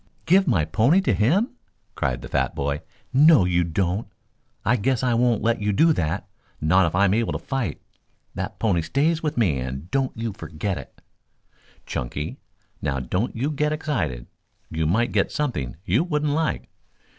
"Give my pony to him?" cried the fat boy. "No, you don't! I guess I won't let you do that not if I am able to fight. That pony stays with me, and don't you forget it." "Chunky, now don't you get excited. You might get something you wouldn't like."